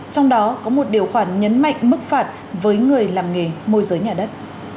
trong đó có một điều khoản nhấn mạnh mức phạt với người làm nghề môi giới nhà đất